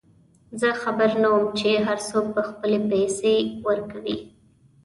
زه خبر نه وم چې هرڅوک به خپلې پیسې ورکوي.